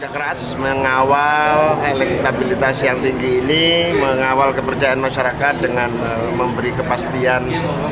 keras mengawal elektabilitas yang tinggi ini mengawal kepercayaan masyarakat dengan memberi kepastian